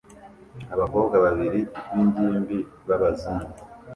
Abakobwa babiri b'ingimbi b'abazungu